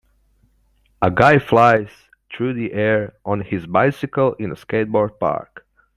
A guy flies through the air on his bicycle in a skateboard park.